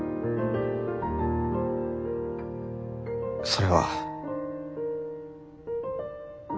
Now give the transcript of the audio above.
それは。